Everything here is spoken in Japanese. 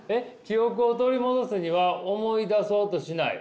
「記憶を取り戻すには思い出そうとしない」。